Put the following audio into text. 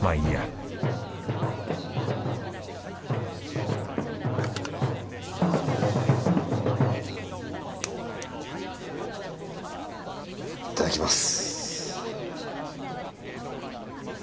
まぁいいやいただきます。